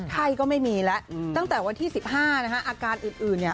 ไข้ก็ไม่มีแล้วตั้งแต่วันที่๑๕นะคะอาการอื่นเนี่ย